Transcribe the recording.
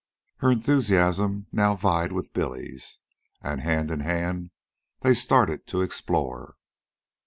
Her enthusiasm now vied with Billy's, and, hand in hand, they started to explore.